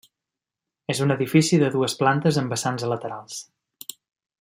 És un edifici de dues plantes amb vessants a laterals.